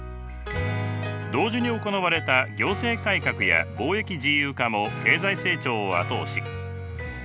同時に行われた行政改革や貿易自由化も経済成長を後押し。